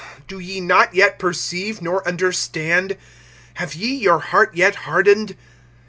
Do ye not yet perceive, nor understand? Have ye your heart yet hardened?